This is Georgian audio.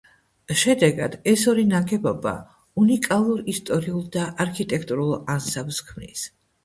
შედეგად, ეს ორი ნაგებობა უნიკალურ ისტორიულ და არქიტექტურულ ანსამბლს ქმნის.